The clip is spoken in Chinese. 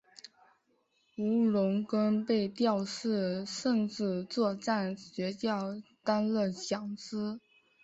吴荣根被调至政治作战学校担任讲师。